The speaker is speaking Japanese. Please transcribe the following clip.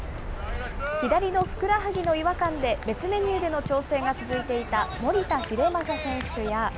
左のふくらはぎの違和感で別メニューでの調整が続いていた守田英正選手や。